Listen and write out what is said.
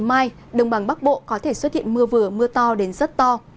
ngày mai đồng bằng bắc bộ có thể xuất hiện mưa vừa mưa to đến rất to